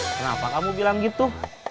kenapa kamu bilang gitu